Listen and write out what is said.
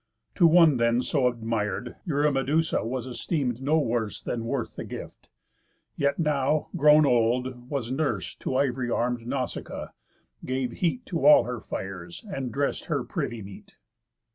To one then so admir'd, Eurymedusa was esteem'd no worse Than worth the gift; yet now, grown old, was nurse To ivory arm'd Nausicaa, gave heat To all her fires, and dress'd her privy meat.